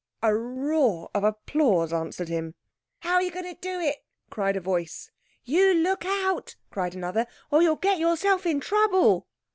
A roar of applause answered him. "How are you going to do it?" cried a voice. "You look out," cried another, "or you'll get yourself into trouble."